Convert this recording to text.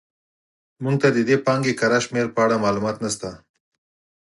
موږ ته د دې پانګې کره شمېر په اړه معلومات نه شته.